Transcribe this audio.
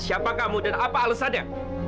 saya punya perang laufenya